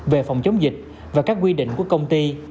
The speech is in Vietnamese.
về phòng chống dịch và các quy định của công ty